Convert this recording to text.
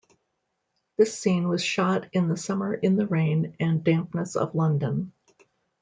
This scene was shot in the summer in the rain and dampness of London.